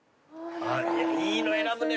いいの選ぶね